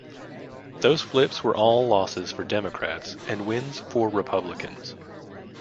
Those flips were all losses for Democrats and wins for Republicans.